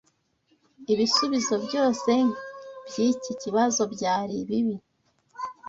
Ibisubizo byose byiki kibazo byari bibi.